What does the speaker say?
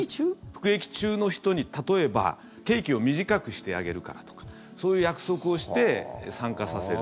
服役中の人に、例えば刑期を短くしてあげるからとかそういう約束をして参加させる。